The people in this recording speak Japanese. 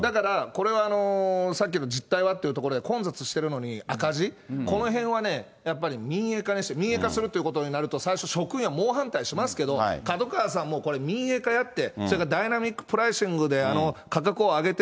これは、さっきの実態はっていうところで、混雑してるのに赤字、このへんはね、やっぱり民営化にして、民営化するということになると、最初、職員は猛反対しますけれども、門川さん、もうこれ民営化やって、それからダイナミックプライシングで価格を上げて、